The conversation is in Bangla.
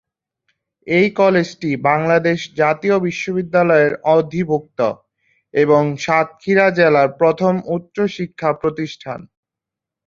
এই কলেজটি বাংলাদেশ জাতীয় বিশ্ববিদ্যালয়ের অধিভুক্ত এবং সাতক্ষীরা জেলার প্রথম উচ্চ শিক্ষা প্রতিষ্ঠান।